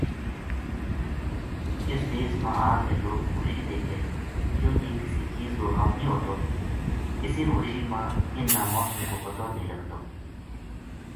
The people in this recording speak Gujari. اِ س دیس ما آ کے لوک خوشی دیکھے کیوں جے کسے چیز کو غم نیہہ ہوتواسی خوشی ما اِن نا موسم کو پتو نہ لگو